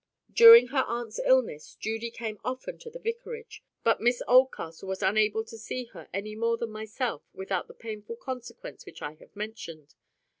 During her aunt's illness, Judy came often to the vicarage. But Miss Oldcastle was unable to see her any more than myself without the painful consequence which I have mentioned.